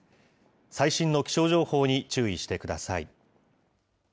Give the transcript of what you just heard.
最新の気象情報に注意してください。